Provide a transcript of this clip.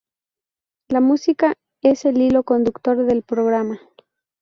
La música es el hilo conductor del programa.